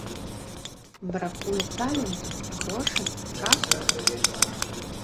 Бракуе таленту, грошай, часу?